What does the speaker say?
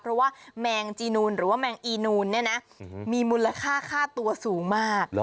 เพราะว่าแมงจีนูนหรือว่าแมงอีนูนเนี่ยนะมีมูลค่าค่าตัวสูงมาก